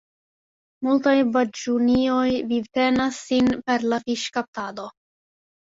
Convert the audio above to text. Multaj baĝunioj vivtenas sin per la fiŝkaptado.